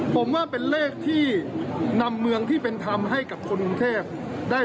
ผมว่าเป็นเลขที่นำเมืองที่เป็นธรรมให้กับคนกรุงเทพได้